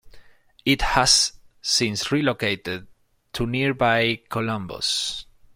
It has since relocated to nearby Columbus.